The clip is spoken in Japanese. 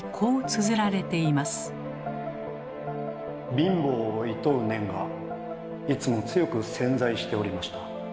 「貧乏を厭う念がいつも強く潜在しておりました。